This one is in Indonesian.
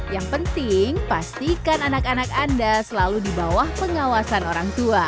yang penting pastikan anak anak anda selalu di bawah pengawasan orang tua